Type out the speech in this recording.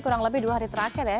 kurang lebih dua hari terakhir ya